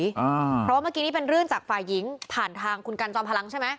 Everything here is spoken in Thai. เพราะว่าเมื่อกี้นี่เป็นเรื่องจากฝ่ายหญิงผ่านทางคุณกันจอมพลังใช่ไหม